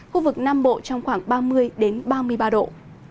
khu vực nam bộ trong khoảng ba mươi ba mươi ba độ